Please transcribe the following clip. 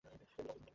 ব্যাবসা হত দেউলে।